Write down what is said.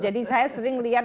jadi saya sering melihat